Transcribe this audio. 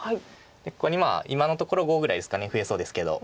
ここに今のところ５ぐらいですか増えそうですけど。